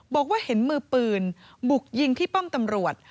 บอกว่าเห็นมือปืนบุกยิงที่ป้อมตำรวจ